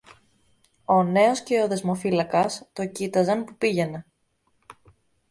Ο νέος και ο δεσμοφύλακας το κοίταζαν που πήγαινε.